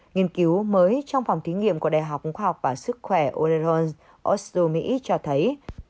nghiên cứu mới trong phòng thí nghiệm của đại học khoa học và sức khỏe oleron osumi cho thấy